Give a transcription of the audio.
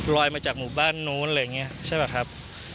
มาจากหมู่บ้านนู้นอะไรอย่างนี้ใช่ป่ะครับ